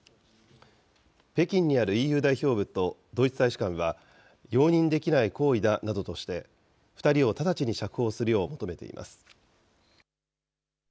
北京にあるＥＵ代表部とドイツ大使館は、容認できない行為だなどとして、２人を直ちに釈放するよう求めています。